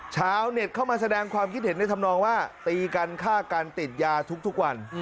ชาวเน็ตเข้ามาแสดงความคิดเห็นในธรรมนองว่าตีกันฆ่ากันติดยาทุกวัน